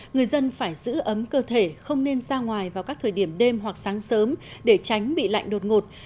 người dân phải giữ ấm cơ thể không nên ra ngoài vào các thời điểm đêm hoặc sáng sớm để tránh bị lạnh đột ngột